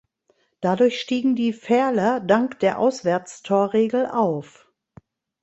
Dadurch stiegen die Verler dank der Auswärtstorregel auf.